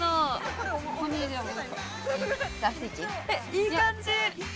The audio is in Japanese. いい感じ。